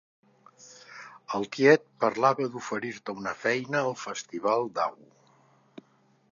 El tiet parlava d'oferir-te una feina al Festival Dau.